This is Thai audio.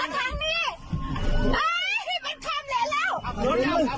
ที่ไหน